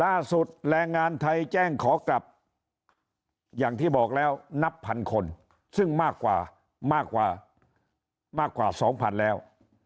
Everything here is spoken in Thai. แรงงานไทยแจ้งขอกลับอย่างที่บอกแล้วนับพันคนซึ่งมากกว่ามากกว่า๒๐๐แล้ว